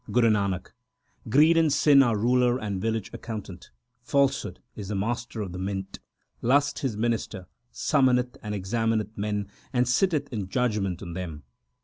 Guru Nanak Greed and sin are ruler and village accountant ; falsehood is master of the mint. Lust, his minister, summoneth and examineth men, and sitteth in judgement on them.